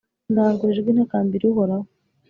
ndanguruye ijwi ntakambira uhoraho